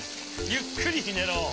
ゆっくりひねろう。